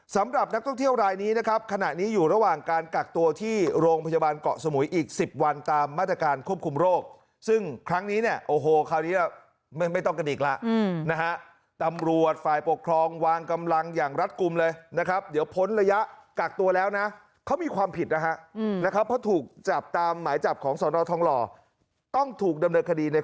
สำหรับนักท่องเที่ยวรายนี้นะครับขณะนี้อยู่ระหว่างการกักตัวที่โรงพยาบาลเกาะสมุยอีก๑๐วันตามมาตรการควบคุมโรคซึ่งครั้งนี้เนี่ยโอ้โหคราวนี้มันไม่ต้องกันอีกแล้วนะฮะตำรวจฝ่ายปกครองวางกำลังอย่างรัฐกลุ่มเลยนะครับเดี๋ยวพ้นระยะกักตัวแล้วนะเขามีความผิดนะฮะนะครับเพราะถูกจับตามหมายจับของสนทองหล่อต้องถูกดำเนินคดีใน